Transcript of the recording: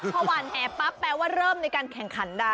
พอหวานแหปั๊บแปลว่าเริ่มในการแข่งขันได้